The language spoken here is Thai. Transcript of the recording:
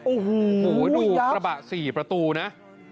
โอ้โหดูกระบะ๔ประตูนะ